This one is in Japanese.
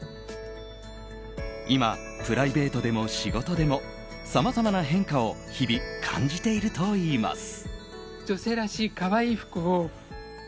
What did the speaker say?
今、プライベートでも仕事でもさまざまな変化を日々感じているといいます。